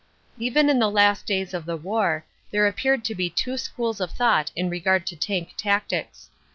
Even in the last days of the war, there appeared to be two schools of thought in regard to tank tactics.